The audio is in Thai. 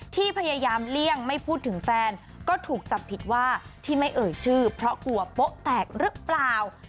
ที่พยายามเลี่ยงไม่พูดถึงแฟนก็ถูกจับผิดว่าที่ไม่เอ่ยชื่อเพราะกลัวโป๊ะแตกหรือเปล่า